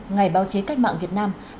ngày báo chí cách mạng việt nam